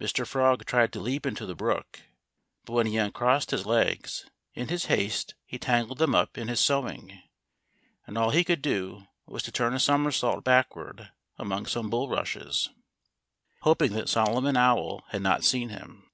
Mr. Frog tried to leap into the brook. But when he uncrossed his legs, in his haste he tangled them up in his sewing. And all he could do was to turn a somersault backward among some bulrushes, hoping that Solomon Owl had not seen him.